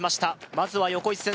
まずは横一線